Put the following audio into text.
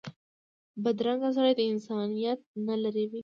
بدرنګه سړی د انسانیت نه لرې وي